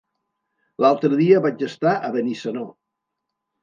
L'altre dia vaig estar a Benissanó.